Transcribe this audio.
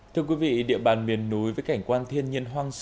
thưa quý vị địa bàn miền núi với cảnh quan thiên nhiên hoang sơ